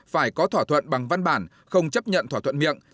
phải có thỏa thuận bằng văn bản không chấp nhận thỏa thuận miệng